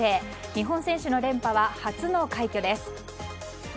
日本選手の連覇は初の快挙です。